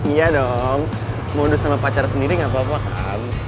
iya dong modus sama pacar sendiri gak apa apa kan